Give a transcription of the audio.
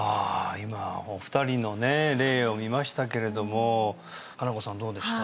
今お二人のね例を見ましたけれども佳菜子さんどうですか？